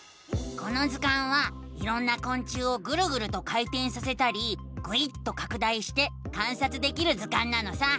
この図鑑はいろんなこん虫をぐるぐると回てんさせたりぐいっとかく大して観察できる図鑑なのさ！